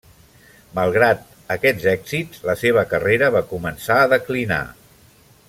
Malgrat aquests èxits, la seva carrera va començar a declinar.